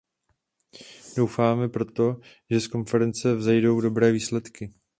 Doufáme proto, že z konference vzejdou dobré výsledky.